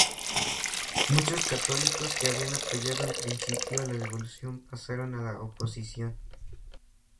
Muchos católicos que habían apoyado en principio la Revolución pasaron a la oposición.